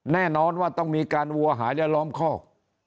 แน่นอนว่าต้องมีการวัวหายและล้อมคอก